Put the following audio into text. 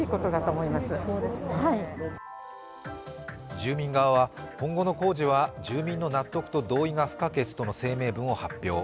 住民側は、今後の工事は住民の納得と同意が不可欠との声明文を発表。